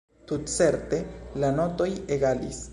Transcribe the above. Tutcerte, la notoj egalis.